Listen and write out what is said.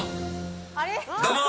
どうも！